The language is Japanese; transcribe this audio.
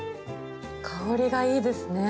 香りがいいですね。